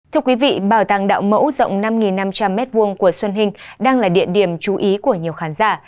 thưa quý vị bảo tàng đạo mẫu rộng năm năm trăm linh m hai của xuân hình đang là địa điểm chú ý của nhiều khán giả